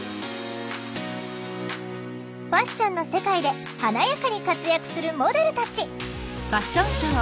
ファッションの世界で華やかに活躍するモデルたち。